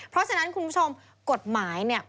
เพราะฉะนั้นคุณผู้ชมกฎหมายเนี่ย